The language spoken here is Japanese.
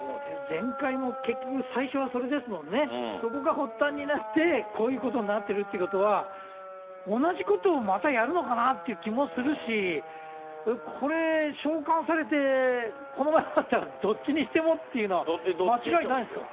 前回も結局、最初はそれですもんね、そこが発端になって、こういうことになっているということは、同じことをまたやるのかなって気もするし、これ、召喚されて、このままだったらどっちにしてもっていうの間違いないんですか？